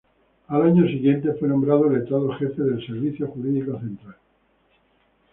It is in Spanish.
Al año siguiente fue nombrado letrado jefe del Servicio Jurídico Central.